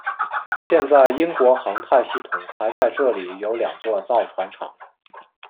现在英国航太系统还在这里有两座造船厂。